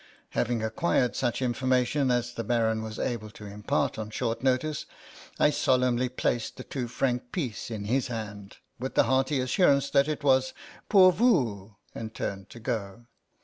Having acquired such information as the Baron was able to impart on short notice, I solemnly placed the two franc piece in his hand, with the hearty assurance that it was " pour vous," and turned to go.